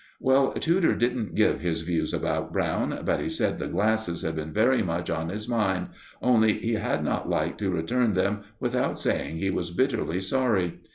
Well, Tudor didn't give his views about Brown, but he said the glasses had been very much on his mind, only he had not liked to return them without saying he was bitterly sorry.